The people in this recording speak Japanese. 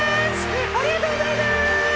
ありがとうございます。